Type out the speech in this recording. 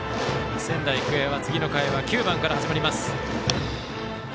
仙台育英は次の回は９番から始まります。